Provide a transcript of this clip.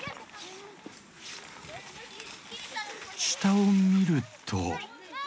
下を見ると。